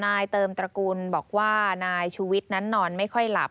นายเติมตระกูลบอกว่านายชูวิทย์นั้นนอนไม่ค่อยหลับ